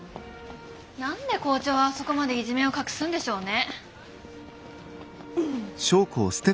何で校長はあそこまでいじめを隠すんでしょうね。